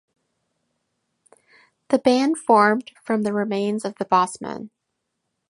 The band formed from the remains of The Bossmen.